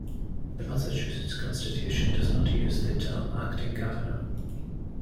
The Massachusetts Constitution does not use the term "acting governor".